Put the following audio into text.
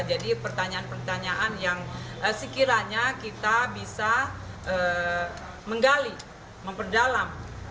jadi pertanyaan pertanyaan yang sekiranya kita bisa menggali memperdalam